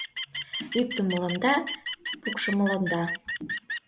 Йӱктымыланда, пукшымыланда